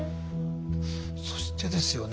そしてですよね